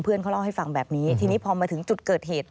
เขาเล่าให้ฟังแบบนี้ทีนี้พอมาถึงจุดเกิดเหตุ